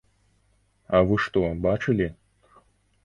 А вы што, бачылі?